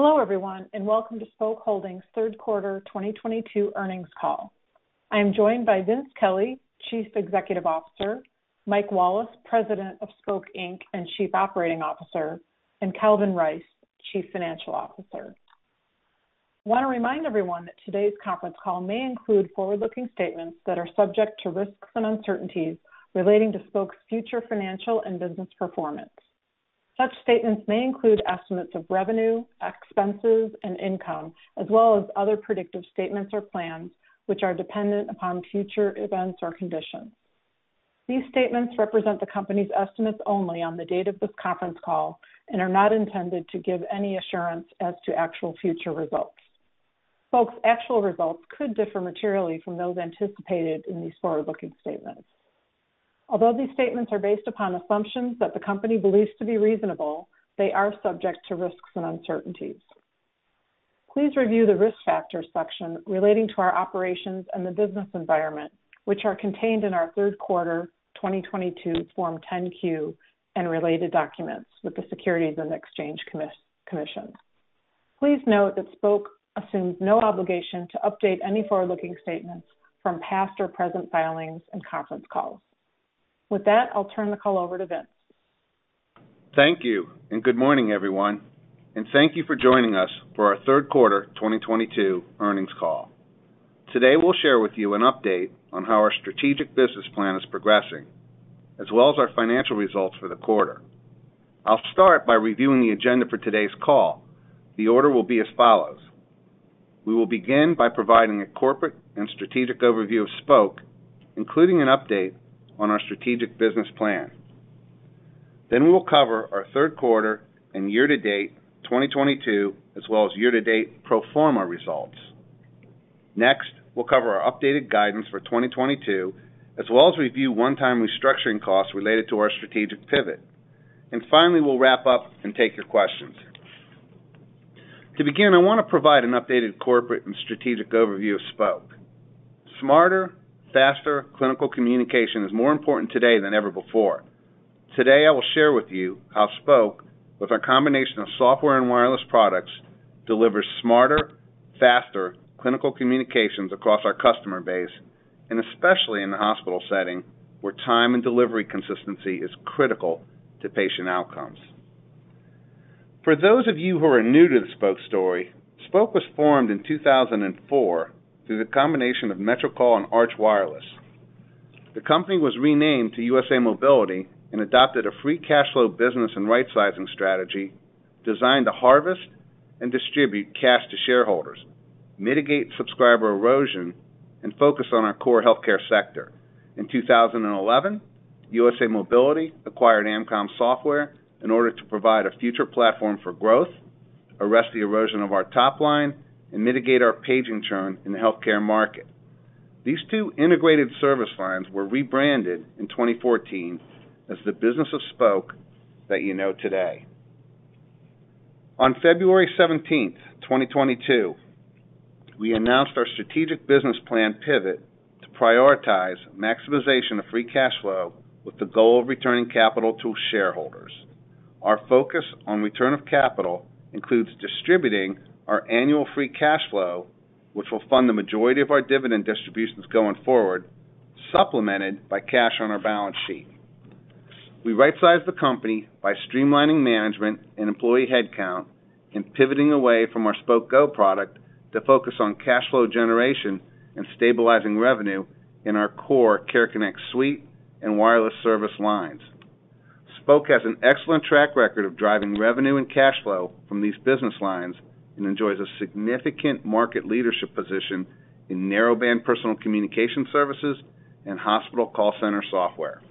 Hello, everyone, and welcome to Spok Holdings' third quarter 2022 earnings call. I am joined by Vince Kelly, Chief Executive Officer, Mike Wallace, President and Chief Operating Officer, Spok Inc., and Calvin Rice, Chief Financial Officer. I wanna remind everyone that today's conference call may include forward-looking statements that are subject to risks and uncertainties relating to Spok's future financial and business performance. Such statements may include estimates of revenue, expenses, and income, as well as other predictive statements or plans which are dependent upon future events or conditions. These statements represent the company's estimates only on the date of this conference call and are not intended to give any assurance as to actual future results. Spok's actual results could differ materially from those anticipated in these forward-looking statements. Although these statements are based upon assumptions that the company believes to be reasonable, they are subject to risks and uncertainties. Please review the Risk Factors section relating to our operations and the business environment, which are contained in our third quarter 2022 Form 10-Q and related documents with the Securities and Exchange Commission. Please note that Spok assumes no obligation to update any forward-looking statements from past or present filings and conference calls. With that, I'll turn the call over to Vince. Thank you, and good morning, everyone, and thank you for joining us for our third quarter 2022 earnings call. Today, we'll share with you an update on how our strategic business plan is progressing, as well as our financial results for the quarter. I'll start by reviewing the agenda for today's call. The order will be as follows. We will begin by providing a corporate and strategic overview of Spok, including an update on our strategic business plan. Then we will cover our third quarter and year-to-date 2022, as well as year-to-date pro forma results. Next, we'll cover our updated guidance for 2022, as well as review one-time restructuring costs related to our strategic pivot. Finally, we'll wrap up and take your questions. To begin, I wanna provide an updated corporate and strategic overview of Spok. Smarter, faster clinical communication is more important today than ever before. Today, I will share with you how Spok, with our combination of software and wireless products, delivers smarter, faster clinical communications across our customer base, and especially in the hospital setting, where time and delivery consistency is critical to patient outcomes. For those of you who are new to the Spok story, Spok was formed in 2004 through the combination of Metrocall and Arch Wireless. The company was renamed to USA Mobility and adopted a free cash flow business and right-sizing strategy designed to harvest and distribute cash to shareholders, mitigate subscriber erosion, and focus on our core healthcare sector. In 2011, USA Mobility acquired Amcom Software in order to provide a future platform for growth, arrest the erosion of our top line, and mitigate our paging churn in the healthcare market. These two integrated service lines were rebranded in 2014 as the business of Spok that you know today. On February seventeenth, 2022, we announced our strategic business plan pivot to prioritize maximization of free cash flow with the goal of returning capital to shareholders. Our focus on return of capital includes distributing our annual free cash flow, which will fund the majority of our dividend distributions going forward, supplemented by cash on our balance sheet. We right-sized the company by streamlining management and employee headcount and pivoting away from our Spok Go product to focus on cash flow generation and stabilizing revenue in our core Care Connect suite and wireless service lines. Spok has an excellent track record of driving revenue and cash flow from these business lines and enjoys a significant market leadership position in narrowband personal communication services and hospital call center software.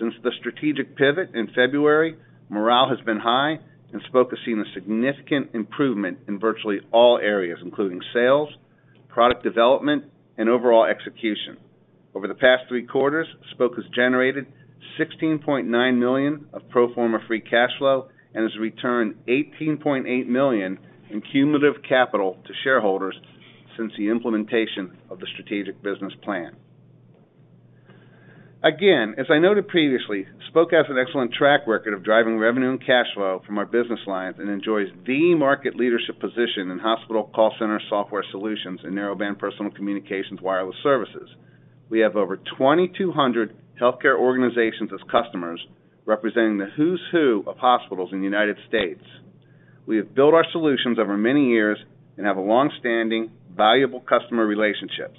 Since the strategic pivot in February, morale has been high, and Spok has seen a significant improvement in virtually all areas, including sales, product development, and overall execution. Over the past three quarters, Spok has generated $16.9 million of pro forma free cash flow and has returned $18.8 million in cumulative capital to shareholders since the implementation of the strategic business plan. Again, as I noted previously, Spok has an excellent track record of driving revenue and cash flow from our business lines and enjoys the market leadership position in hospital call center software solutions and narrowband personal communications wireless services. We have over 2,200 healthcare organizations as customers, representing the who's who of hospitals in the United States. We have built our solutions over many years and have longstanding, valuable customer relationships.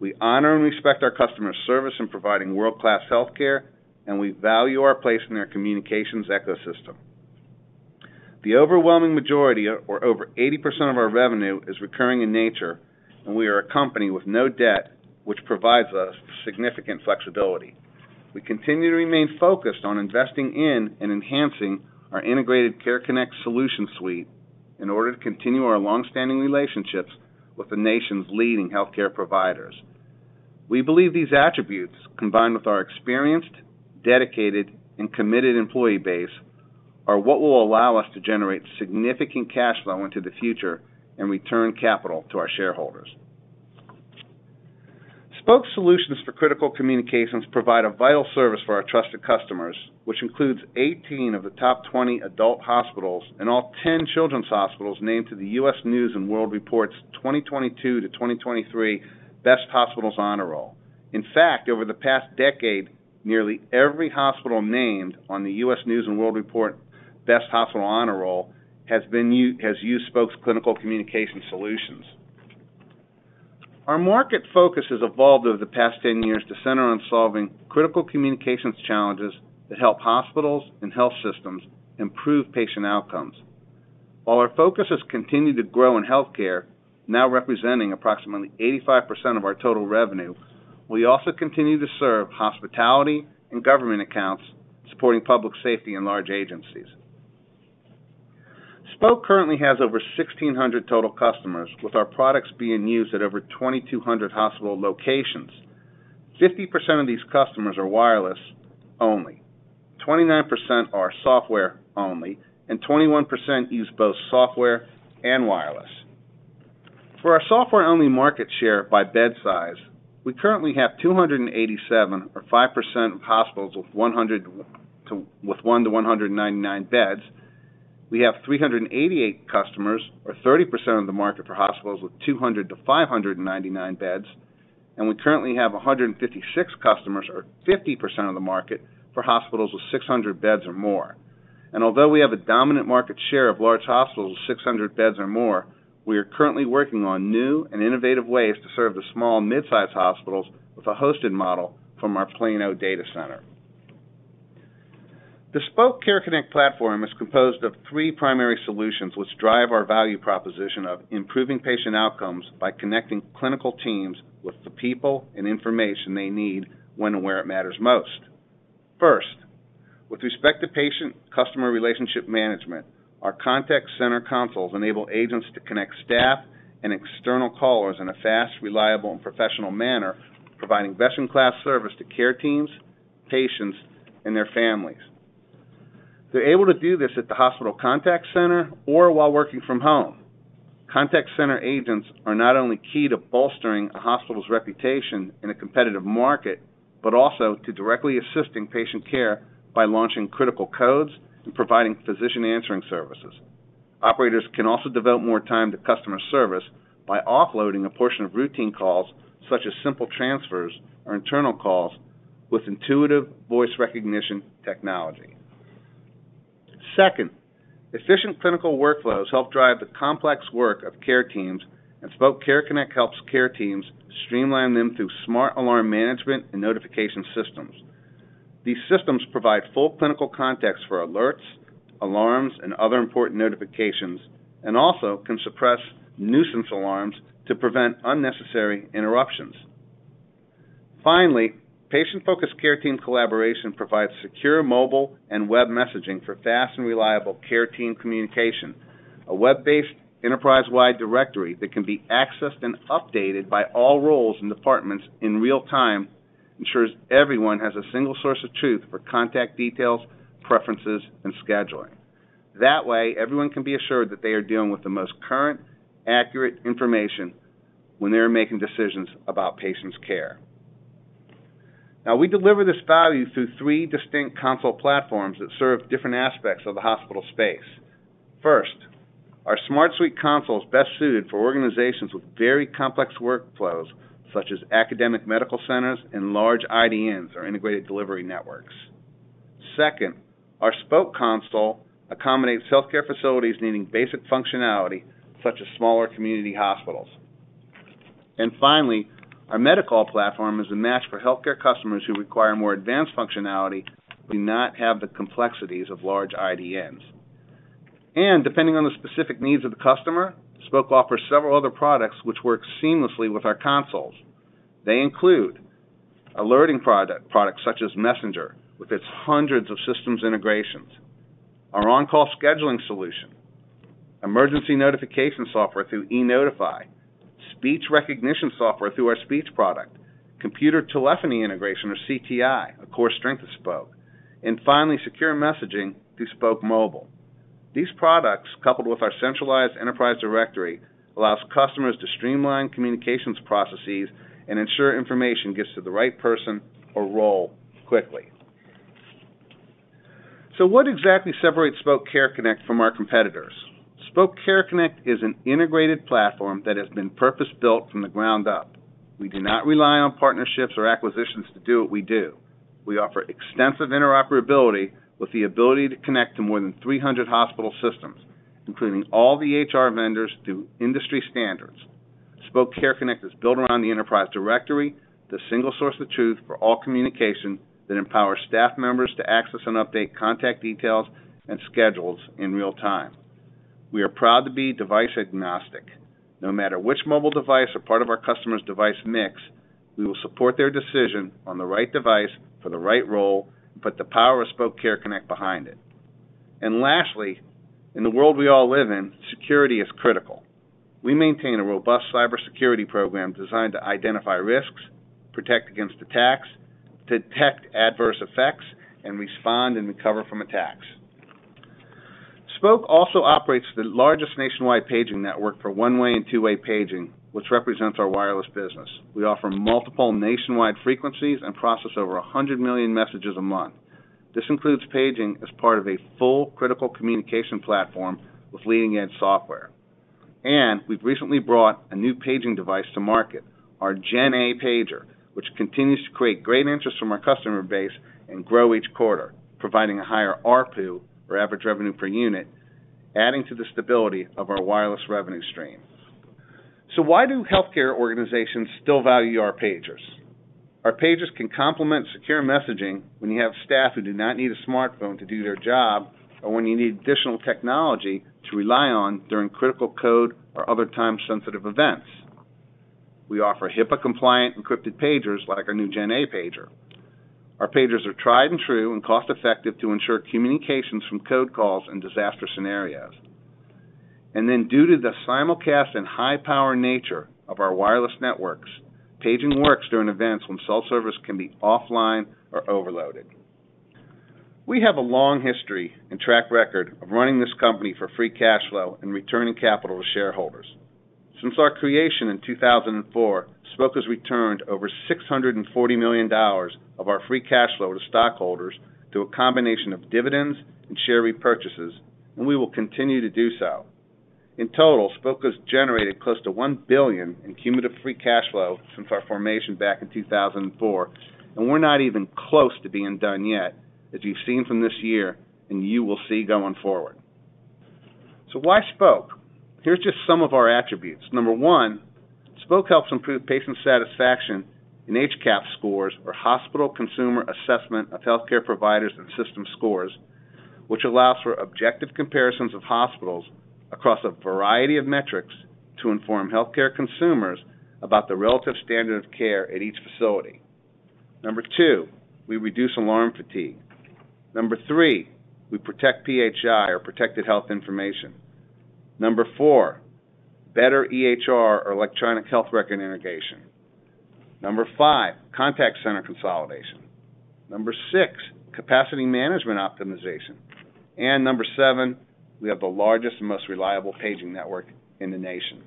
We honor and respect our customer service in providing world-class healthcare, and we value our place in their communications ecosystem. The overwhelming majority, or over 80% of our revenue, is recurring in nature, and we are a company with no debt, which provides us significant flexibility. We continue to remain focused on investing in and enhancing our integrated Care Connect solution suite in order to continue our longstanding relationships with the nation's leading healthcare providers. We believe these attributes, combined with our experienced, dedicated, and committed employee base, are what will allow us to generate significant cash flow into the future and return capital to our shareholders. Spok solutions for critical communications provide a vital service for our trusted customers, which includes 18 of the top 20 adult hospitals and all 10 children's hospitals named to the U.S. News & World Report's 2022-2023 Best Hospitals Honor Roll. In fact, over the past decade, nearly every hospital named on the U.S. News & World Report Best Hospitals Honor Roll has used Spok's clinical communication solutions. Our market focus has evolved over the past 10 years to center on solving critical communications challenges that help hospitals and health systems improve patient outcomes. While our focus has continued to grow in healthcare, now representing approximately 85% of our total revenue, we also continue to serve hospitality and government accounts supporting public safety and large agencies. Spok currently has over 1,600 total customers with our products being used at over 2,200 hospital locations. 50% of these customers are wireless only, 29% are software only, and 21% use both software and wireless. For our software-only market share by bed size, we currently have 287 or 5% of hospitals with 1-199 beds. We have 388 customers, or 30% of the market for hospitals with 200-599 beds, and we currently have 156 customers, or 50% of the market for hospitals with 600 beds or more. Although we have a dominant market share of large hospitals with 600 beds or more, we are currently working on new and innovative ways to serve the small and mid-size hospitals with a hosted model from our Plano data center. The Spok Care Connect platform is composed of three primary solutions which drive our value proposition of improving patient outcomes by connecting clinical teams with the people and information they need when and where it matters most. First, with respect to patient customer relationship management, our contact center consoles enable agents to connect staff and external callers in a fast, reliable, and professional manner, providing best-in-class service to care teams, patients, and their families. They're able to do this at the hospital contact center or while working from home. Contact center agents are not only key to bolstering a hospital's reputation in a competitive market, but also to directly assisting patient care by launching critical codes and providing physician answering services. Operators can also devote more time to customer service by offloading a portion of routine calls such as simple transfers or internal calls with intuitive voice recognition technology. Second, efficient clinical workflows help drive the complex work of care teams, and Spok Care Connect helps care teams streamline them through smart alarm management and notification systems. These systems provide full clinical context for alerts, alarms, and other important notifications, and also can suppress nuisance alarms to prevent unnecessary interruptions. Finally, patient-focused care team collaboration provides secure mobile and web messaging for fast and reliable care team communication. A web-based enterprise-wide directory that can be accessed and updated by all roles and departments in real time ensures everyone has a single source of truth for contact details, preferences, and scheduling. That way, everyone can be assured that they are dealing with the most current, accurate information when they are making decisions about patients' care. Now, we deliver this value through three distinct console platforms that serve different aspects of the hospital space. First, our Smart Suite console is best suited for organizations with very complex workflows such as academic medical centers and large IDNs or integrated delivery networks. Second, our Spok Console accommodates healthcare facilities needing basic functionality such as smaller community hospitals. Finally, our MediCall platform is a match for healthcare customers who require more advanced functionality, but do not have the complexities of large IDNs. Depending on the specific needs of the customer, Spok offers several other products which work seamlessly with our consoles. They include alerting products such as Messenger with its hundreds of systems integrations, our on-call scheduling solution, emergency notification software through e.Notify, speech recognition software through our speech product, computer telephony integration or CTI, a core strength of Spok, and finally, secure messaging through Spok Mobile. These products, coupled with our centralized enterprise directory, allows customers to streamline communications processes and ensure information gets to the right person or role quickly. What exactly separates Spok Care Connect from our competitors? Spok Care Connect is an integrated platform that has been purpose-built from the ground up. We do not rely on partnerships or acquisitions to do what we do. We offer extensive interoperability with the ability to connect to more than 300 hospital systems, including all the EHR vendors through industry standards. Spok Care Connect is built around the enterprise directory, the single source of truth for all communication that empowers staff members to access and update contact details and schedules in real time. We are proud to be device agnostic. No matter which mobile device or part of our customer's device mix, we will support their decision on the right device for the right role and put the power of Spok Care Connect behind it. Lastly, in the world we all live in, security is critical. We maintain a robust cybersecurity program designed to identify risks, protect against attacks, detect adverse effects, and respond and recover from attacks. Spok also operates the largest nationwide paging network for one-way and two-way paging, which represents our wireless business. We offer multiple nationwide frequencies and process over 100 million messages a month. This includes paging as part of a full critical communication platform with leading-edge software. We've recently brought a new paging device to market, our Gen A pager, which continues to create great interest from our customer base and grow each quarter, providing a higher ARPU, or average revenue per unit, adding to the stability of our wireless revenue stream. Why do healthcare organizations still value our pagers? Our pagers can complement secure messaging when you have staff who do not need a smartphone to do their job or when you need additional technology to rely on during critical code or other time-sensitive events. We offer HIPAA-compliant encrypted pagers like our new GenA pager. Our pagers are tried and true and cost-effective to ensure communications from code calls and disaster scenarios. Due to the simulcast and high-power nature of our wireless networks, paging works during events when cell service can be offline or overloaded. We have a long history and track record of running this company for free cash flow and returning capital to shareholders. Since our creation in 2004, Spok has returned over $640 million of our free cash flow to stockholders through a combination of dividends and share repurchases, and we will continue to do so. In total, Spok has generated close to $1 billion in cumulative free cash flow since our formation back in 2004, and we're not even close to being done yet, as you've seen from this year and you will see going forward. Why Spok? Here's just some of our attributes. Number one, Spok helps improve patient satisfaction in HCAHPS scores, or Hospital Consumer Assessment of Healthcare Providers and System scores, which allows for objective comparisons of hospitals across a variety of metrics to inform healthcare consumers about the relative standard of care at each facility. Number two, we reduce alarm fatigue. Number three, we protect PHI, or protected health information. Number four, better EHR, or electronic health record integration. Number five, contact center consolidation. Number six, capacity management optimization. Number seven, we have the largest and most reliable paging network in the nation.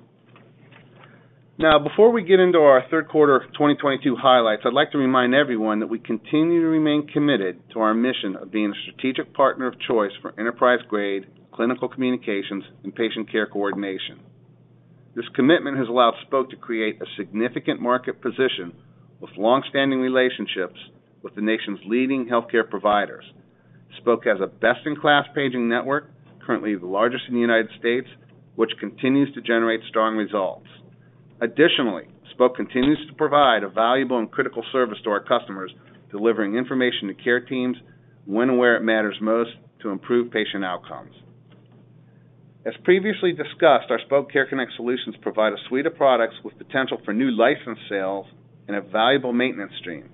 Now, before we get into our third quarter of 2022 highlights, I'd like to remind everyone that we continue to remain committed to our mission of being a strategic partner of choice for enterprise-grade clinical communications and patient care coordination. This commitment has allowed Spok to create a significant market position with longstanding relationships with the nation's leading healthcare providers. Spok has a best-in-class paging network, currently the largest in the United States, which continues to generate strong results. Additionally, Spok continues to provide a valuable and critical service to our customers, delivering information to care teams when and where it matters most to improve patient outcomes. As previously discussed, our Spok Care Connect solutions provide a suite of products with potential for new license sales and a valuable maintenance stream.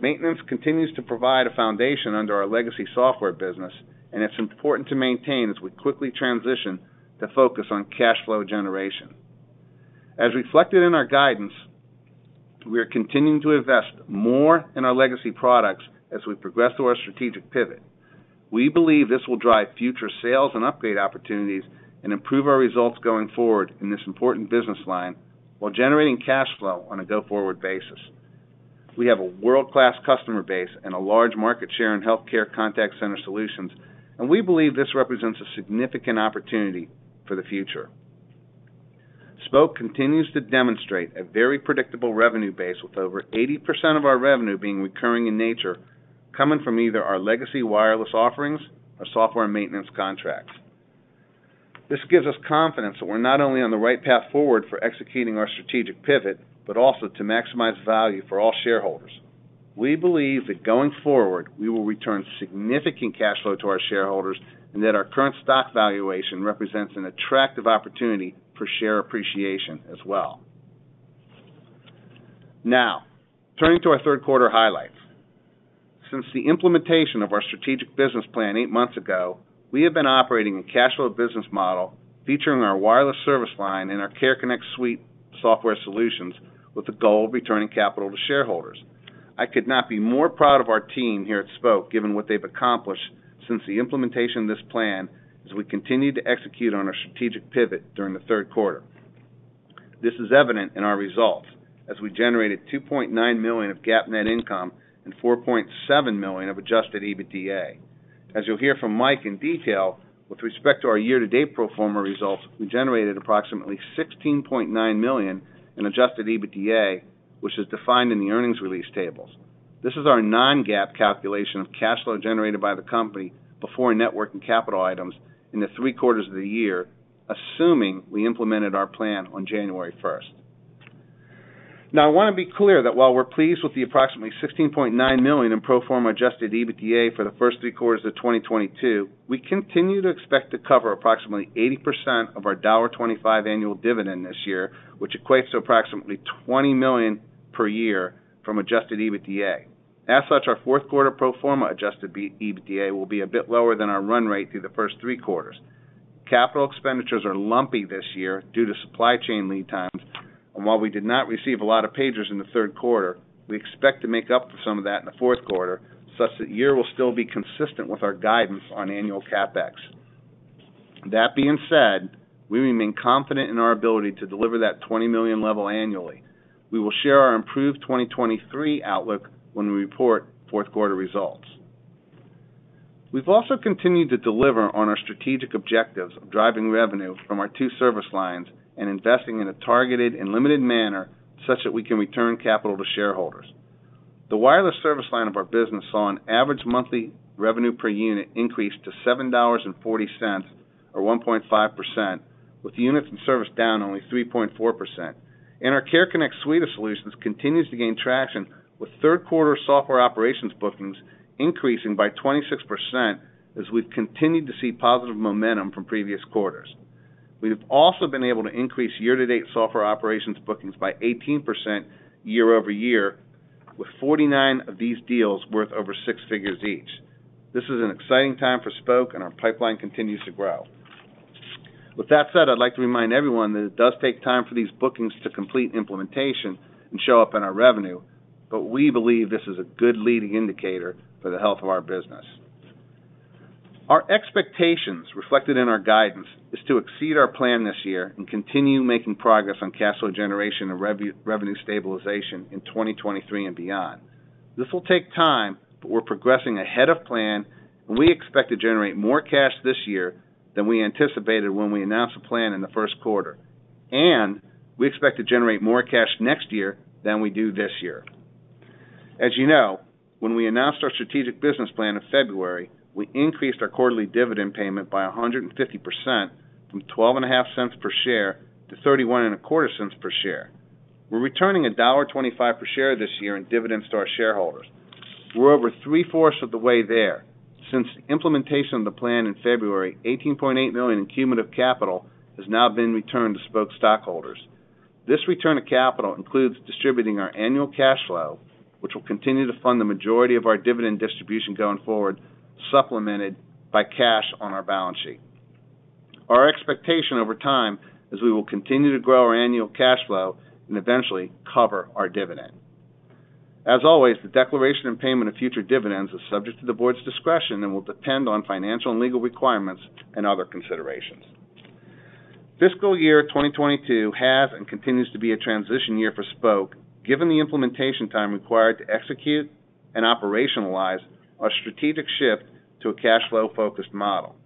Maintenance continues to provide a foundation under our legacy software business, and it's important to maintain as we quickly transition to focus on cash flow generation. As reflected in our guidance, we are continuing to invest more in our legacy products as we progress through our strategic pivot. We believe this will drive future sales and upgrade opportunities and improve our results going forward in this important business line while generating cash flow on a go-forward basis. We have a world-class customer base and a large market share in healthcare contact center solutions, and we believe this represents a significant opportunity for the future. Spok continues to demonstrate a very predictable revenue base with over 80% of our revenue being recurring in nature, coming from either our legacy wireless offerings or software maintenance contracts. This gives us confidence that we're not only on the right path forward for executing our strategic pivot, but also to maximize value for all shareholders. We believe that going forward, we will return significant cash flow to our shareholders and that our current stock valuation represents an attractive opportunity for share appreciation as well. Now, turning to our third quarter highlights. Since the implementation of our strategic business plan eight months ago, we have been operating a cash flow business model featuring our wireless service line and our Care Connect suite software solutions with the goal of returning capital to shareholders. I could not be more proud of our team here at Spok given what they've accomplished since the implementation of this plan as we continue to execute on our strategic pivot during the third quarter. This is evident in our results as we generated $2.9 million of GAAP net income and $4.7 million of adjusted EBITDA. As you'll hear from Mike in detail, with respect to our year-to-date pro forma results, we generated approximately $16.9 million in adjusted EBITDA, which is defined in the earnings release tables. This is our non-GAAP calculation of cash flow generated by the company before network and capital items in the three quarters of the year, assuming we implemented our plan on January first. Now I wanna be clear that while we're pleased with the approximately $16.9 million in pro forma adjusted EBITDA for the first three quarters of 2022, we continue to expect to cover approximately 80% of our $25 annual dividend this year, which equates to approximately $20 million per year from adjusted EBITDA. As such, our fourth quarter pro forma adjusted EBITDA will be a bit lower than our run rate through the first three quarters. Capital expenditures are lumpy this year due to supply chain lead times. While we did not receive a lot of pagers in the third quarter, we expect to make up for some of that in the fourth quarter such that year will still be consistent with our guidance on annual CapEx. That being said, we remain confident in our ability to deliver that $20 million level annually. We will share our improved 2023 outlook when we report fourth quarter results. We've also continued to deliver on our strategic objectives of driving revenue from our two service lines and investing in a targeted and limited manner such that we can return capital to shareholders. The wireless service line of our business saw an average monthly revenue per unit increase to $7.40, or 1.5%, with units in service down only 3.4%. Our Care Connect suite of solutions continues to gain traction with third quarter software operations bookings increasing by 26% as we've continued to see positive momentum from previous quarters. We have also been able to increase year-to-date software operations bookings by 18% year-over-year, with 49 of these deals worth over six figures each. This is an exciting time for Spok, and our pipeline continues to grow. With that said, I'd like to remind everyone that it does take time for these bookings to complete implementation and show up in our revenue, but we believe this is a good leading indicator for the health of our business. Our expectations reflected in our guidance is to exceed our plan this year and continue making progress on cash flow generation and revenue stabilization in 2023 and beyond. This will take time, but we're progressing ahead of plan, and we expect to generate more cash this year than we anticipated when we announced the plan in the first quarter. We expect to generate more cash next year than we do this year. As you know, when we announced our strategic business plan in February, we increased our quarterly dividend payment by 150% from $0.125 per share to $0.3125 per share. We're returning $1.25 per share this year in dividends to our shareholders. We're over three-fourths of the way there. Since the implementation of the plan in February, $18.8 million in cumulative capital has now been returned to Spok stockholders. This return of capital includes distributing our annual cash flow, which will continue to fund the majority of our dividend distribution going forward, supplemented by cash on our balance sheet. Our expectation over time is we will continue to grow our annual cash flow and eventually cover our dividend. As always, the declaration and payment of future dividends is subject to the board's discretion and will depend on financial and legal requirements and other considerations. Fiscal year 2022 has and continues to be a transition year for Spok, given the implementation time required to execute and operationalize our strategic shift to a cash flow-focused model.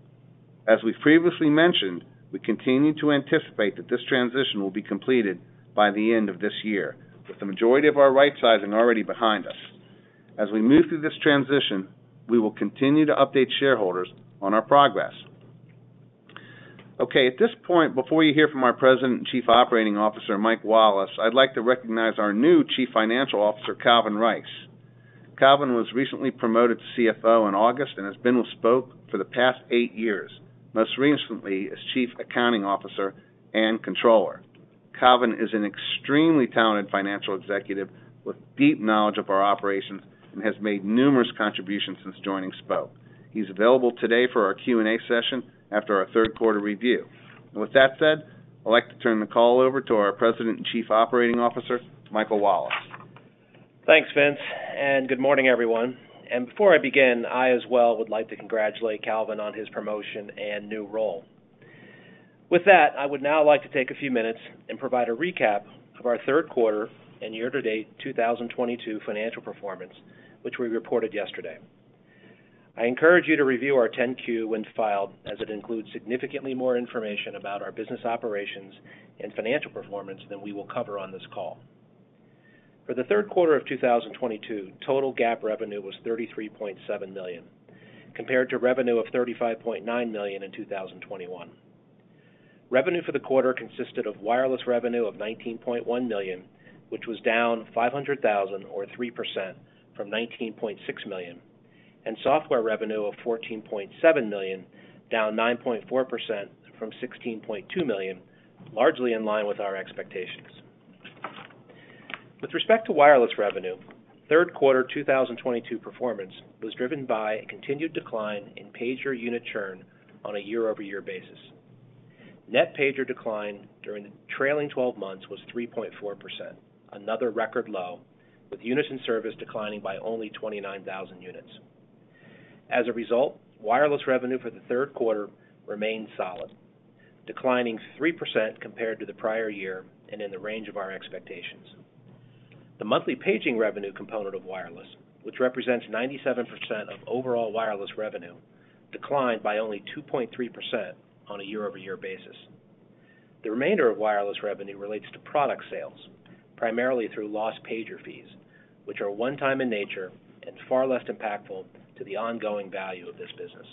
As we previously mentioned, we continue to anticipate that this transition will be completed by the end of this year, with the majority of our right sizing already behind us. As we move through this transition, we will continue to update shareholders on our progress. Okay, at this point, before you hear from our President and Chief Operating Officer, Mike Wallace, I'd like to recognize our new Chief Financial Officer, Calvin Rice. Calvin was recently promoted to CFO in August and has been with Spok for the past eight years, most recently as Chief Accounting Officer and Controller. Calvin is an extremely talented financial executive with deep knowledge of our operations and has made numerous contributions since joining Spok. He's available today for our Q&A session after our third quarter review. With that said, I'd like to turn the call over to our President and Chief Operating Officer, Michael Wallace. Thanks, Vince, and good morning, everyone. Before I begin, I as well would like to congratulate Calvin on his promotion and new role. With that, I would now like to take a few minutes and provide a recap of our third quarter and year-to-date 2022 financial performance, which we reported yesterday. I encourage you to review our 10-Q when filed, as it includes significantly more information about our business operations and financial performance than we will cover on this call. For the third quarter of 2022, total GAAP revenue was $33.7 million, compared to revenue of $35.9 million in 2021. Revenue for the quarter consisted of wireless revenue of $19.1 million, which was down $500,000 or 3% from $19.6 million, and software revenue of $14.7 million, down 9.4% from $16.2 million, largely in line with our expectations. With respect to wireless revenue, third quarter 2022 performance was driven by a continued decline in pager unit churn on a year-over-year basis. Net pager decline during the trailing twelve months was 3.4%, another record low, with units and service declining by only 29,000 units. As a result, wireless revenue for the third quarter remained solid, declining 3% compared to the prior year and in the range of our expectations. The monthly paging revenue component of wireless, which represents 97% of overall wireless revenue, declined by only 2.3% on a year-over-year basis. The remainder of wireless revenue relates to product sales, primarily through lost pager fees, which are one-time in nature and far less impactful to the ongoing value of this business.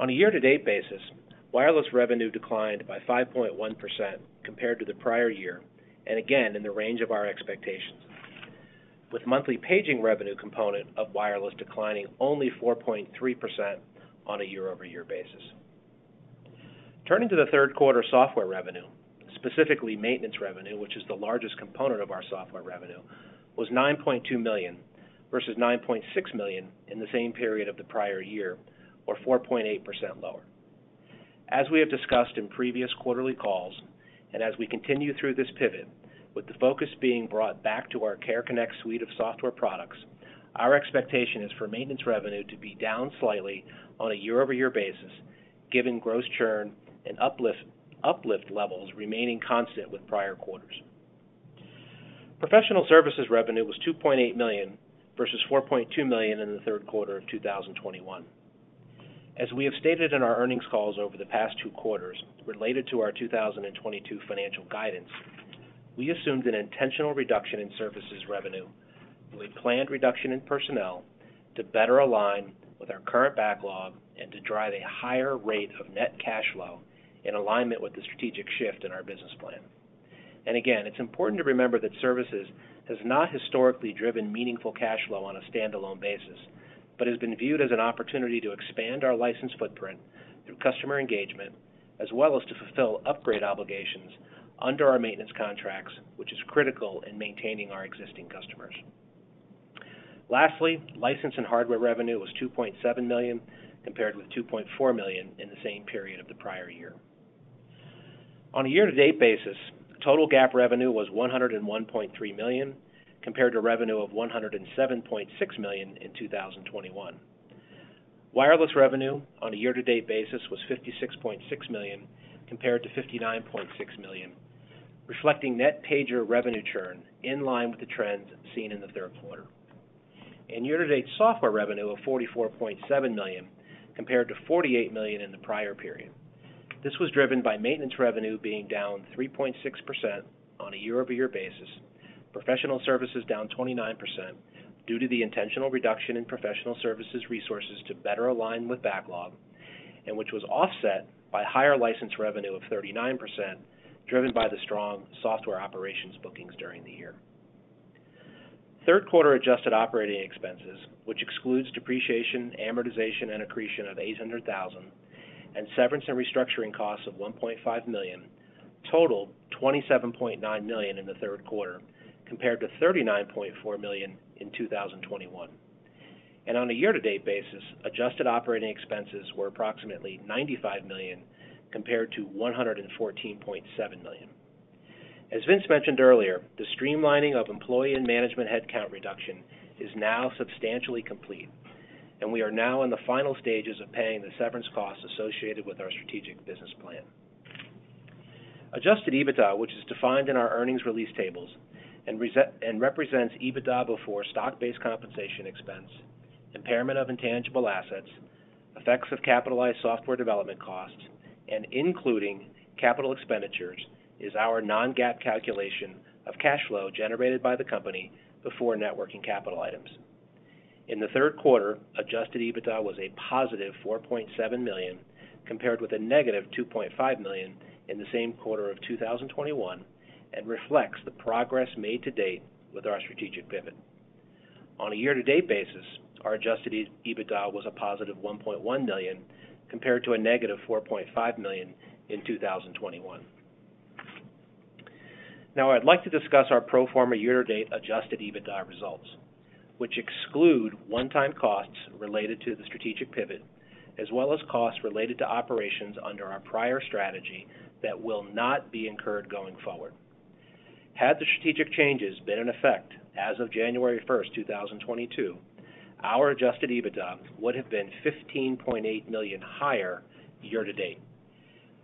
On a year-to-date basis, wireless revenue declined by 5.1% compared to the prior year, and again, in the range of our expectations, with monthly paging revenue component of wireless declining only 4.3% on a year-over-year basis. Turning to the third quarter software revenue, specifically maintenance revenue, which is the largest component of our software revenue, was $9.2 million versus $9.6 million in the same period of the prior year, or 4.8% lower. As we have discussed in previous quarterly calls, as we continue through this pivot, with the focus being brought back to our Care Connect suite of software products, our expectation is for maintenance revenue to be down slightly on a year-over-year basis, given gross churn and uplift levels remaining constant with prior quarters. Professional services revenue was $2.8 million versus $4.2 million in the third quarter of 2021. As we have stated in our earnings calls over the past two quarters related to our 2022 financial guidance, we assumed an intentional reduction in services revenue with planned reduction in personnel to better align with our current backlog and to drive a higher rate of net cash flow in alignment with the strategic shift in our business plan. Again, it's important to remember that services has not historically driven meaningful cash flow on a standalone basis, but has been viewed as an opportunity to expand our license footprint through customer engagement as well as to fulfill upgrade obligations under our maintenance contracts, which is critical in maintaining our existing customers. Lastly, license and hardware revenue was $2.7 million, compared with $2.4 million in the same period of the prior year. On a year-to-date basis, total GAAP revenue was $101.3 million, compared to revenue of $107.6 million in 2021. Wireless revenue on a year-to-date basis was $56.6 million, compared to $59.6 million, reflecting net pager revenue churn in line with the trends seen in the third quarter. Year-to-date software revenue of $44.7 million, compared to $48 million in the prior period. This was driven by maintenance revenue being down 3.6% on a year-over-year basis, professional services down 29% due to the intentional reduction in professional services resources to better align with backlog, and which was offset by higher license revenue of 39%, driven by the strong software operations bookings during the year. Third quarter adjusted operating expenses, which excludes depreciation, amortization, and accretion of $800,000 and severance and restructuring costs of $1.5 million, totaled $27.9 million in the third quarter, compared to $39.4 million in 2021. On a year-to-date basis, adjusted operating expenses were approximately $95 million compared to $114.7 million. As Vince mentioned earlier, the streamlining of employee and management headcount reduction is now substantially complete, and we are now in the final stages of paying the severance costs associated with our strategic business plan. Adjusted EBITDA, which is defined in our earnings release tables and represents EBITDA before stock-based compensation expense, impairment of intangible assets, effects of capitalized software development costs, and including capital expenditures, is our non-GAAP calculation of cash flow generated by the company before net working capital items. In the third quarter, adjusted EBITDA was a positive $4.7 million, compared with a negative $2.5 million in the same quarter of 2021, and reflects the progress made to date with our strategic pivot. On a year-to-date basis, our adjusted EBITDA was a positive $1.1 million compared to a negative $4.5 million in 2021. Now I'd like to discuss our pro forma year-to-date adjusted EBITDA results, which exclude one-time costs related to the strategic pivot, as well as costs related to operations under our prior strategy that will not be incurred going forward. Had the strategic changes been in effect as of January 1, 2022, our adjusted EBITDA would have been $15.8 million higher year to date.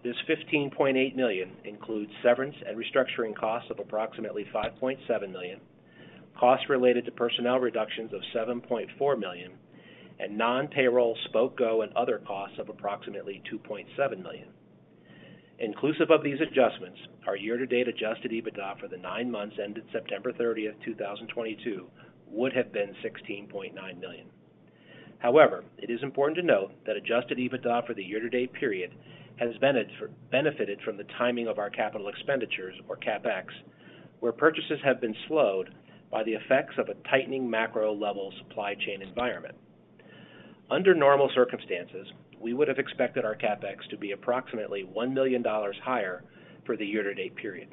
This $15.8 million includes severance and restructuring costs of approximately $5.7 million, costs related to personnel reductions of $7.4 million, and non-payroll Spok Go and other costs of approximately $2.7 million. Inclusive of these adjustments, our year-to-date adjusted EBITDA for the nine months ended September 30, 2022, would have been $16.9 million. However, it is important to note that adjusted EBITDA for the year-to-date period has benefited from the timing of our capital expenditures or CapEx, where purchases have been slowed by the effects of a tightening macro-level supply chain environment. Under normal circumstances, we would have expected our CapEx to be approximately $1 million higher for the year-to-date period.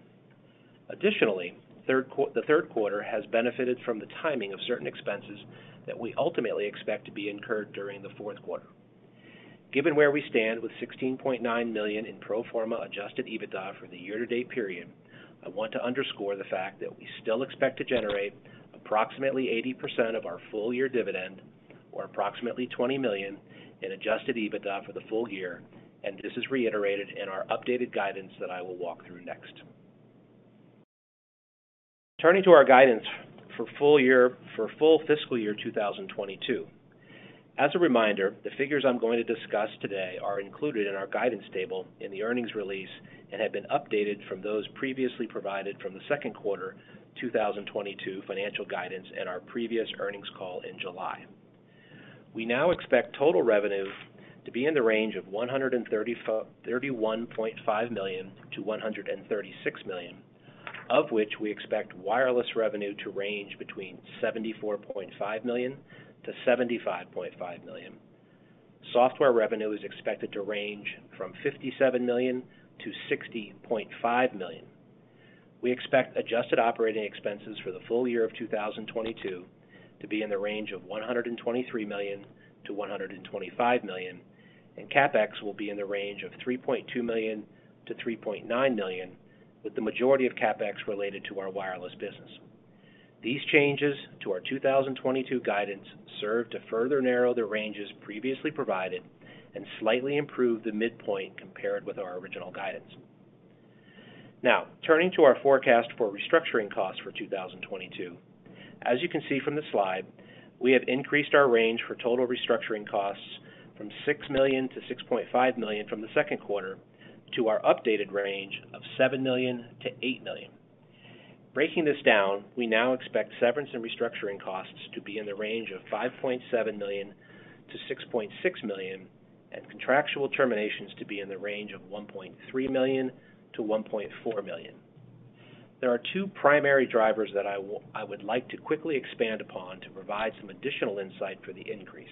Additionally, the third quarter has benefited from the timing of certain expenses that we ultimately expect to be incurred during the fourth quarter. Given where we stand with $16.9 million in pro forma adjusted EBITDA for the year-to-date period, I want to underscore the fact that we still expect to generate approximately 80% of our full-year dividend or approximately $20 million in adjusted EBITDA for the full- year. This is reiterated in our updated guidance that I will walk through next. Turning to our guidance for full- fiscal year 2022. As a reminder, the figures I'm going to discuss today are included in our guidance table in the earnings release and have been updated from those previously provided from the second quarter 2022 financial guidance and our previous earnings call in July. We now expect total revenue to be in the range of $131.5 million-$136 million, of which we expect wireless revenue to range between $74.5 million-$75.5 million. Software revenue is expected to range from $57 million-$60.5 million. We expect adjusted operating expenses for the full- year of 2022 to be in the range of $123 million-$125 million, and CapEx will be in the range of $3.2 million-$3.9 million, with the majority of CapEx related to our wireless business. These changes to our 2022 guidance serve to further narrow the ranges previously provided and slightly improve the midpoint compared with our original guidance. Now turning to our forecast for restructuring costs for 2022. As you can see from the slide, we have increased our range for total restructuring costs from $6 million-$6.5 million from the second quarter to our updated range of $7 million-$8 million. Breaking this down, we now expect severance and restructuring costs to be in the range of $5.7 million-$6.6 million, and contractual terminations to be in the range of $1.3 million-$1.4 million. There are two primary drivers that I would like to quickly expand upon to provide some additional insight for the increase.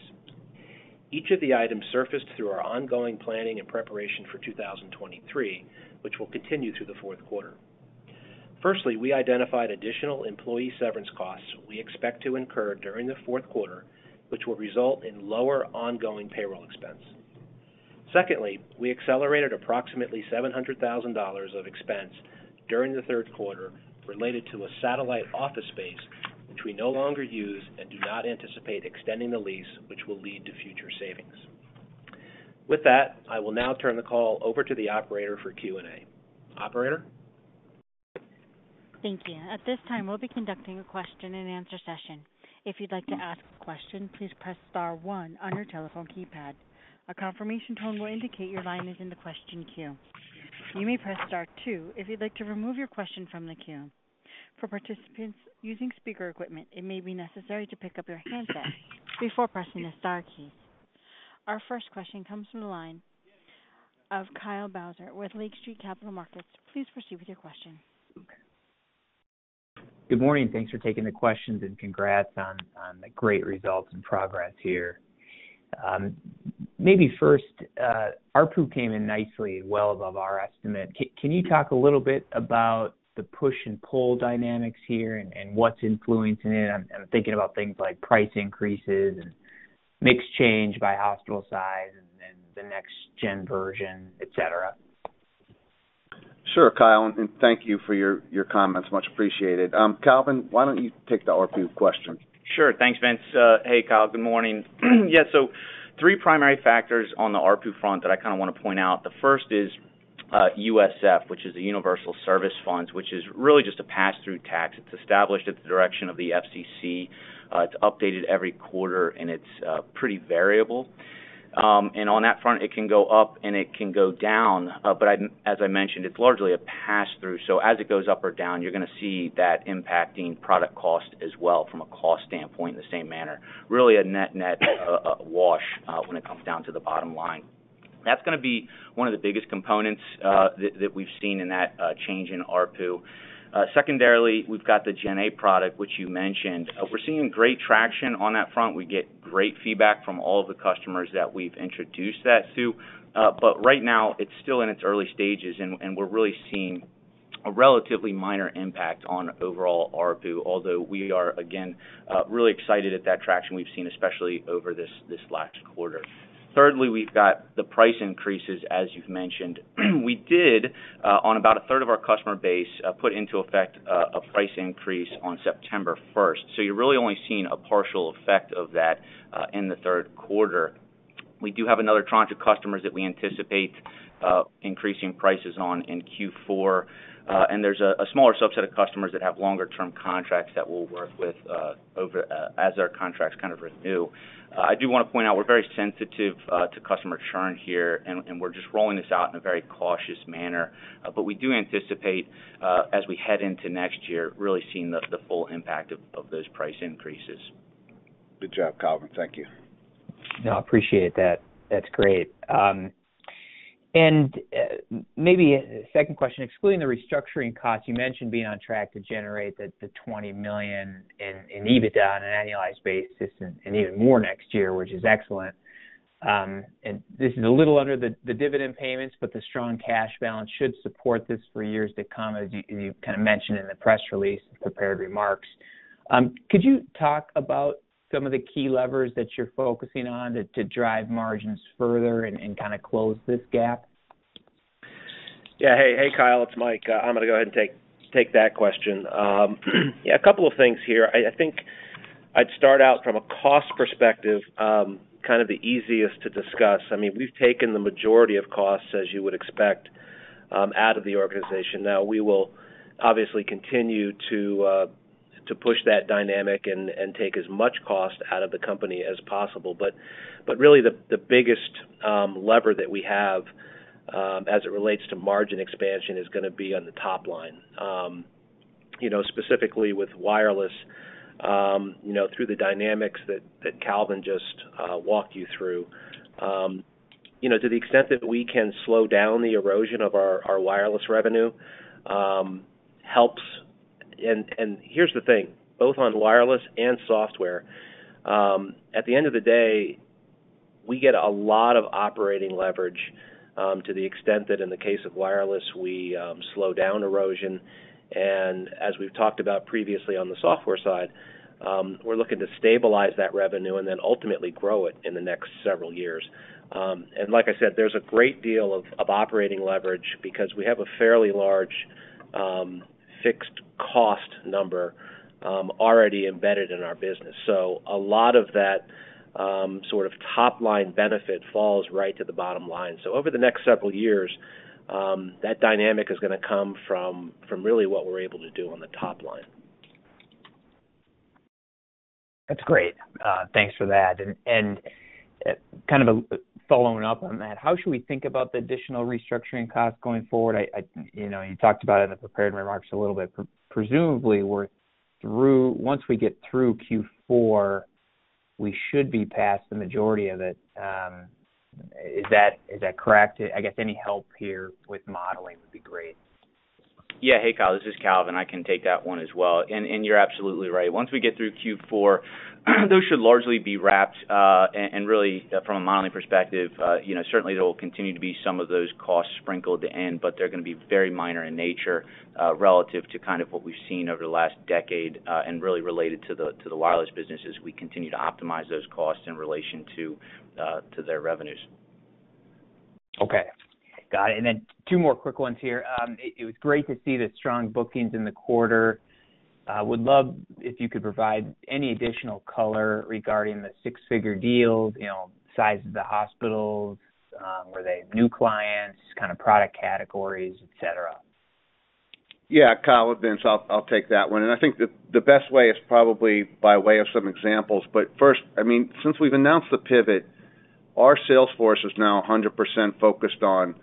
Each of the items surfaced through our ongoing planning and preparation for 2023, which will continue through the fourth quarter. Firstly, we identified additional employee severance costs we expect to incur during the fourth quarter, which will result in lower ongoing payroll expense. Secondly, we accelerated approximately $700,000 of expense during the third quarter related to a satellite office space which we no longer use and do not anticipate extending the lease which will lead to future savings. With that, I will now turn the call over to the operator for Q&A. Operator. Thank you. At this time, we'll be conducting a question-and-answer session. If you'd like to ask a question, please press star one on your telephone keypad. A confirmation tone will indicate your line is in the question queue. You may press star two if you'd like to remove your question from the queue. For participants using speaker equipment, it may be necessary to pick up your handset before pressing the star keys. Our first question comes from the line of Kyle Bauser with Lake Street Capital Markets. Please proceed with your question. Good morning. Thanks for taking the questions and congrats on the great results and progress here. Maybe first, ARPU came in nicely, well above our estimate. Can you talk a little bit about the push and pull dynamics here and what's influencing it? I'm thinking about things like price increases and mix change by hospital size and the next gen version, et cetera. Sure, Kyle, and thank you for your comments. Much appreciated. Calvin, why don't you take the ARPU question? Sure. Thanks, Vince. Hey, Kyle, good morning. Yeah, so three primary factors on the ARPU front that I kinda wanna point out. The first is USF, which is a Universal Service Fund, which is really just a pass-through tax. It's established at the direction of the FCC. It's updated every quarter, and it's pretty variable. On that front, it can go up, and it can go down. As I mentioned, it's largely a pass-through. As it goes up or down, you're gonna see that impacting product cost as well from a cost standpoint in the same manner. Really a net-net wash when it comes down to the bottom line. That's gonna be one of the biggest components that we've seen in that change in ARPU. Secondarily, we've got the Gen A product, which you mentioned. We're seeing great traction on that front. We get great feedback from all of the customers that we've introduced that to. But right now it's still in its early stages and we're really seeing a relatively minor impact on overall ARPU. Although we are, again, really excited at that traction we've seen, especially over this last quarter. Thirdly, we've got the price increases, as you've mentioned. We did, on about a third of our customer base, put into effect a price increase on September first. So you're really only seeing a partial effect of that in the third quarter. We do have another tranche of customers that we anticipate increasing prices on in Q4. There's a smaller subset of customers that have longer term contracts that we'll work with over as their contracts kind of renew. I do wanna point out we're very sensitive to customer churn here, and we're just rolling this out in a very cautious manner. We do anticipate as we head into next year, really seeing the full impact of those price increases. Good job, Calvin. Thank you. No, I appreciate that. That's great. Maybe a second question. Excluding the restructuring costs, you mentioned being on track to generate the $20 million in EBITDA on an annualized basis and even more next year, which is excellent. This is a little under the dividend payments, but the strong cash balance should support this for years to come, as you kinda mentioned in the press release and prepared remarks. Could you talk about some of the key levers that you're focusing on to drive margins further and kinda close this gap? Yeah. Hey, Kyle, it's Mike. I'm gonna go ahead and take that question. Yeah, a couple of things here. I think I'd start out from a cost perspective, kind of the easiest to discuss. I mean, we've taken the majority of costs, as you would expect, out of the organization. Now, we will obviously continue to push that dynamic and take as much cost out of the company as possible. But really the biggest lever that we have as it relates to margin expansion is gonna be on the top line. You know, specifically with wireless, you know, through the dynamics that Calvin just walked you through. You know, to the extent that we can slow down the erosion of our wireless revenue, helps. Here's the thing, both on wireless and software, at the end of the day, we get a lot of operating leverage, to the extent that in the case of wireless, we slow down erosion. As we've talked about previously on the software side, we're looking to stabilize that revenue and then ultimately grow it in the next several years. Like I said, there's a great deal of operating leverage because we have a fairly large fixed cost number already embedded in our business. A lot of that sort of top line benefit falls right to the bottom line. Over the next several years, that dynamic is gonna come from really what we're able to do on the top line. That's great. Thanks for that. Following up on that, how should we think about the additional restructuring costs going forward? You know, you talked about it in the prepared remarks a little bit. Presumably, once we get through Q4, we should be past the majority of it. Is that correct? I guess any help here with modeling would be great. Yeah. Hey, Kyle, this is Calvin. I can take that one as well. You're absolutely right. Once we get through Q4, those should largely be wrapped. Really, from a modeling perspective, you know, certainly there will continue to be some of those costs sprinkled in, but they're gonna be very minor in nature, relative to kind of what we've seen over the last decade, and really related to the wireless business as we continue to optimize those costs in relation to to their revenues. Okay. Got it. Two more quick ones here. It was great to see the strong bookings in the quarter. Would love if you could provide any additional color regarding the six-figure deals, you know, size of the hospitals, were they new clients, kind of product categories, et cetera. Yeah, Kyle, Vince, I'll take that one. I think the best way is probably by way of some examples. First, I mean, since we've announced the pivot, our sales force is now 100% focused on,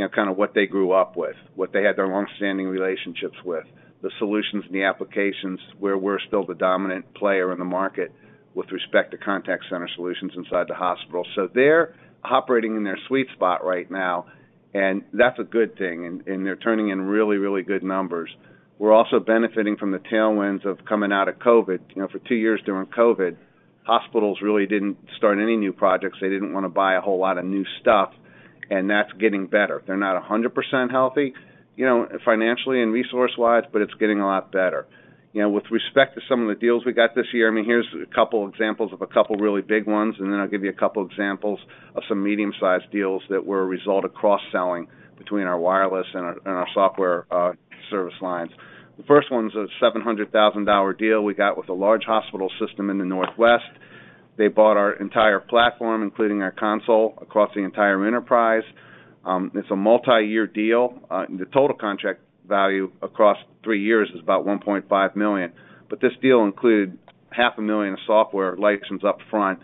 you know, kind of what they grew up with, what they had their long-standing relationships with, the solutions and the applications where we're still the dominant player in the market with respect to contact center solutions inside the hospital. They're operating in their sweet spot right now, and that's a good thing, and they're turning in really good numbers. We're also benefiting from the tailwinds of coming out of COVID. You know, for two years during COVID, hospitals really didn't start any new projects. They didn't wanna buy a whole lot of new stuff, and that's getting better. They're not 100% healthy, you know, financially and resource-wise, but it's getting a lot better. You know, with respect to some of the deals we got this year, I mean, here's a couple examples of a couple really big ones, and then I'll give you a couple examples of some medium-sized deals that were a result of cross-selling between our wireless and our software service lines. The first one was a $700,000 deal we got with a large hospital system in the Northwest. They bought our entire platform, including our console, across the entire enterprise. It's a multi-year deal. And the total contract value across three years is about $1.5 million. This deal included half a million dollars of software license up front,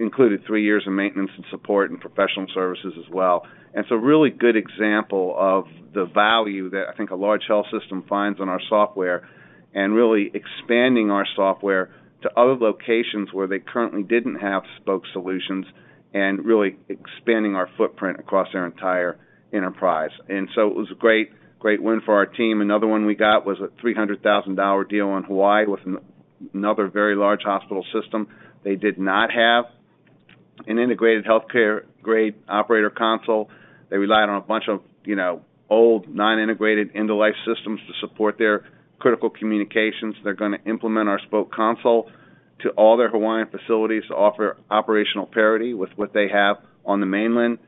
included three years of maintenance and support and professional services as well. It's a really good example of the value that I think a large health system finds in our software and really expanding our software to other locations where they currently didn't have Spok solutions and really expanding our footprint across their entire enterprise. It was a great win for our team. Another one we got was a $300,000 deal in Hawaii with another very large hospital system. They did not have an integrated healthcare-grade operator console. They relied on a bunch of, you know, old, non-integrated end-of-life systems to support their critical communications. They're gonna implement our Spok Console to all their Hawaiian facilities to offer operational parity with what they have on the mainland.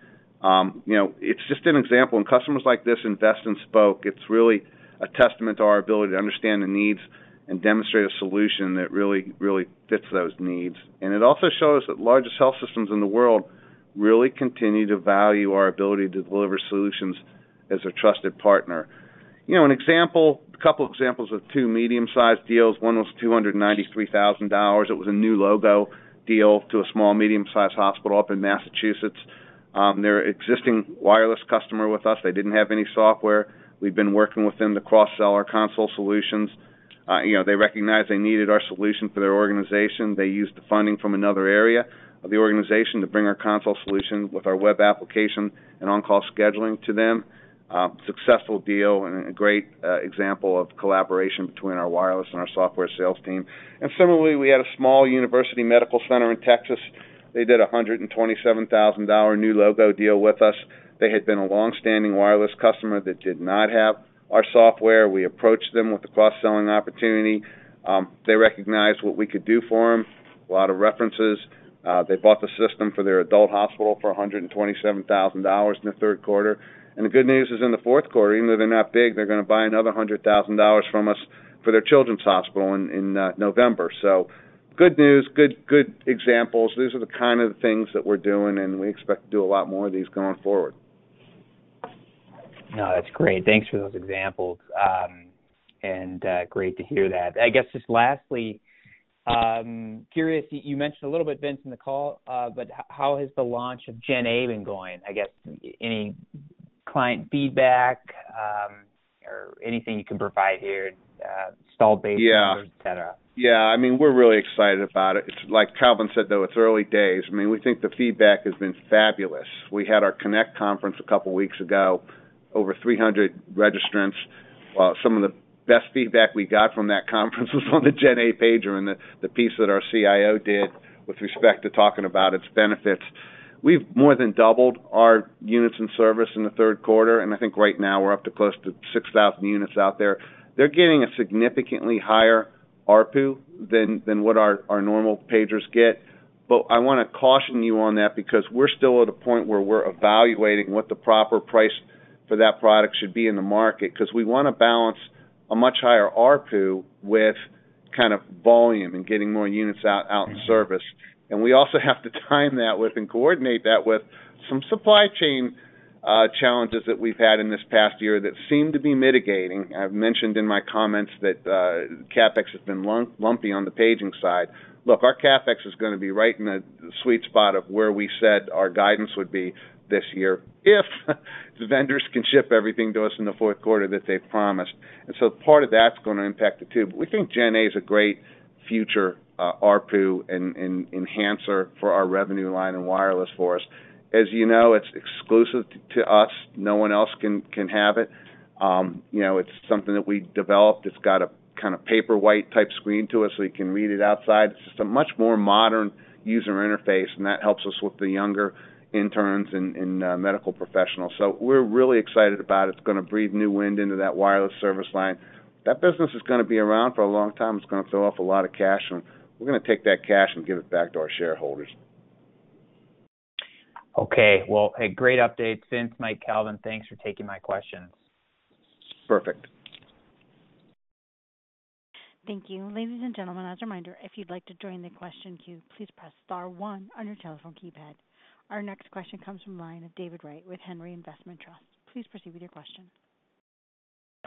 You know, it's just an example, and customers like this invest in Spok. It's really a testament to our ability to understand the needs and demonstrate a solution that really, really fits those needs. It also shows that largest health systems in the world really continue to value our ability to deliver solutions as a trusted partner. You know, a couple examples of two medium-sized deals. One was $293,000. It was a new logo deal to a small medium-sized hospital up in Massachusetts. They're existing wireless customer with us. They didn't have any software. We've been working with them to cross-sell our console solutions. You know, they recognized they needed our solution for their organization. They used the funding from another area of the organization to bring our console solution with our web application and on-call scheduling to them. Successful deal and a great example of collaboration between our wireless and our software sales team. Similarly, we had a small university medical center in Texas. They did a $127,000 new logo deal with us. They had been a long-standing wireless customer that did not have our software. We approached them with the cross-selling opportunity. They recognized what we could do for them. A lot of references. They bought the system for their adult hospital for $127,000 in the third quarter. The good news is in the fourth quarter, even though they're not big, they're gonna buy another $100,000 from us for their children's hospital in November. Good news, good examples. These are the kind of things that we're doing, and we expect to do a lot more of these going forward. No, that's great. Thanks for those examples. Great to hear that. I guess just lastly, curious, you mentioned a little bit, Vince, in the call, but how has the launch of GenA been going? I guess any client feedback, or anything you can provide here, install base- Yeah et cetera. Yeah, I mean, we're really excited about it. Like Calvin said, though, it's early days. I mean, we think the feedback has been fabulous. We had our Connect conference a couple weeks ago. Over 300 registrants. Well, some of the best feedback we got from that conference was on the GenA pager and the piece that our CIO did with respect to talking about its benefits. We've more than doubled our units in service in the third quarter, and I think right now we're up to close to 6,000 units out there. They're getting a significantly higher ARPU than what our normal pagers get. I want to caution you on that because we're still at a point where we're evaluating what the proper price for that product should be in the market, because we want to balance a much higher ARPU with kind of volume and getting more units out in service. We also have to time that with and coordinate that with some supply chain challenges that we've had in this past year that seem to be mitigating. I've mentioned in my comments that CapEx has been lumpy on the paging side. Look, our CapEx is going to be right in the sweet spot of where we said our guidance would be this year if the vendors can ship everything to us in the fourth quarter that they've promised. Part of that's going to impact it, too. We think GenA is a great future ARPU and enhancer for our revenue line and wireless for us. As you know, it's exclusive to us. No one else can have it. You know, it's something that we developed. It's got a kind of paper white type screen to it, so you can read it outside. It's just a much more modern user interface, and that helps us with the younger interns and medical professionals. We're really excited about it. It's going to breathe new wind into that wireless service line. That business is going to be around for a long- time. It's going to throw off a lot of cash, and we're going to take that cash and give it back to our shareholders. Okay. Well, hey, great update, Mike Wallace and Calvin Rice. Thanks for taking my questions. Perfect. Thank you. Ladies and gentlemen, as a reminder, if you'd like to join the question queue, please press star one on your telephone keypad. Our next question comes from line of David Wright with Henry Investment Trust. Please proceed with your question.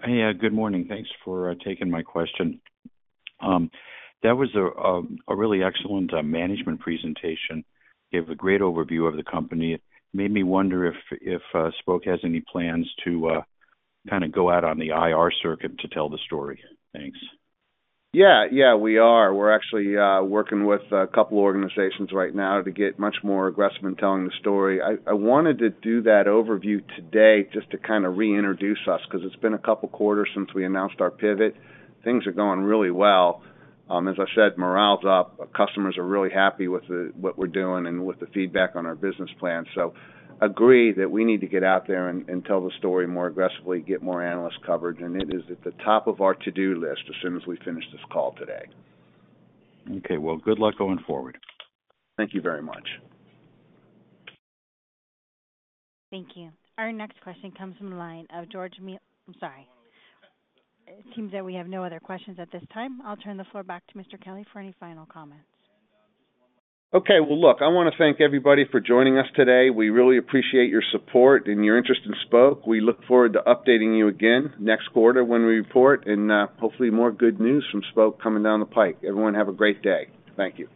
Hey, good morning. Thanks for taking my question. That was a really excellent management presentation. Gave a great overview of the company. Made me wonder if Spok has any plans to kind of go out on the IR circuit to tell the story. Thanks. Yeah. Yeah, we are. We're actually working with a couple organizations right now to get much more aggressive in telling the story. I wanted to do that overview today just to kind of reintroduce us, because it's been a couple quarters since we announced our pivot. Things are going really well. As I said, morale is up. Our customers are really happy with what we're doing and with the feedback on our business plan. Agree that we need to get out there and tell the story more aggressively, get more analyst coverage. It is at the top of our to-do list as soon as we finish this call today. Okay. Well, good luck going forward. Thank you very much. Thank you. I'm sorry. It seems that we have no other questions at this time. I'll turn the floor back to Mr. Kelly for any final comments. Okay. Well, look, I want to thank everybody for joining us today. We really appreciate your support and your interest in Spok. We look forward to updating you again next quarter when we report, and hopefully more good news from Spok coming down the pike. Everyone, have a great day. Thank you.